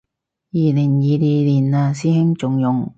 二零二二年嘞師兄，仲用